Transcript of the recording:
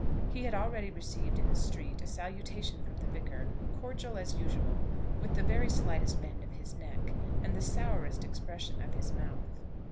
He had already received in the street a salutation from the Vicar, cordial as usual, with the very slightest bend of his neck, and the sourest expression of his mouth.